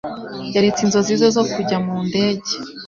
Yaretse inzozi ze zo kujya mu ndege.